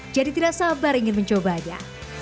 jadi tidak sabar ingin mencobanya